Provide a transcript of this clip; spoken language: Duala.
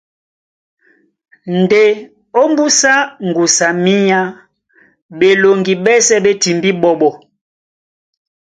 Ndé ómbúsá ŋgusu a minyá ɓeloŋgi ɓɛ́sɛ̄ ɓé timbí ɓɔɓɔ.